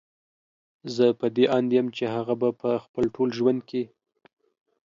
زه په دې اند يم چې هغه به په خپل ټول ژوند کې